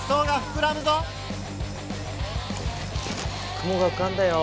雲がうかんだよ。